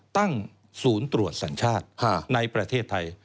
ตั้งศูนย์ตรวจสัญชาติในประเทศไทย